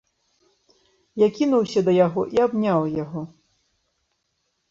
Я кінуўся да яго і абняў яго.